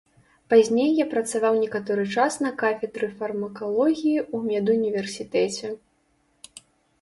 Пазней я працаваў некаторы час на кафедры фармакалогіі ў медуніверсітэце.